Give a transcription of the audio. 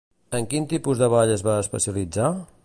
En quin tipus de ball es va especialitzar?